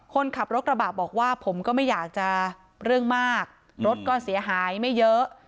คนขับรถกระบะบอกว่าผมก็ไม่อยากจะเรื่องมากรถก็เสียหายไม่เยอะ